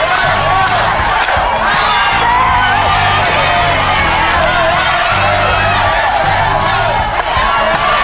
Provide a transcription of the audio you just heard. ส่งพร้อมเลยนะครับ